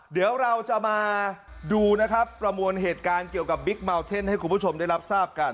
เดี๋ยวเราจะมาดูนะครับประมวลเหตุการณ์เกี่ยวกับบิ๊กเมาเท่นให้คุณผู้ชมได้รับทราบกัน